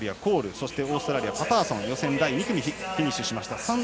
そしてオーストラリア、パターソンで予選第２組がフィニッシュ。